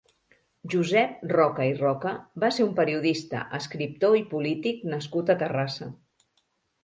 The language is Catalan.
Josep Roca i Roca va ser un periodista, escriptor i polític nascut a Terrassa.